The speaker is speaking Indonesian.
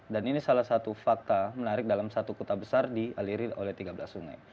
dan ini salah satu fakta menarik dalam satu kota besar dialiri oleh tiga belas sungai